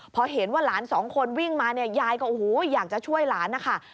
พอเห็นว่าหลานสองคนวิ่งมาเนี่ยยายก็โอ้โหอยากจะช่วยหลานนะคะ